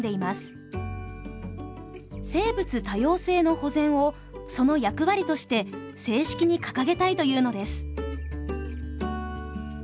生物多様性の保全をその役割として正式に掲げたいというのです。